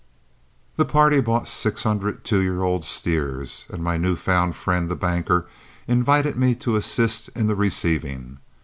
The party bought six hundred two year old steers, and my new found friend, the banker, invited me to assist in the receiving.